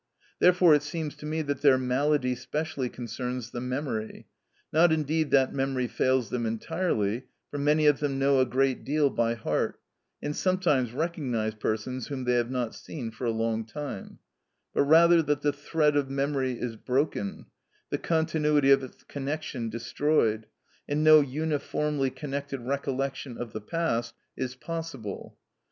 Therefore it seems to me that their malady specially concerns the memory; not indeed that memory fails them entirely, for many of them know a great deal by heart, and sometimes recognise persons whom they have not seen for a long time; but rather that the thread of memory is broken, the continuity of its connection destroyed, and no uniformly connected recollection of the past is possible.